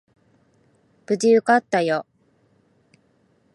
無事受かったよ。